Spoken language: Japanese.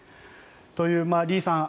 という、リさん